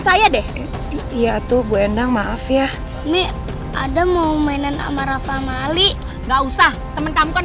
saya deh iya tuh bu endang maaf ya nih ada mau mainan sama rafa mali enggak usah temen temen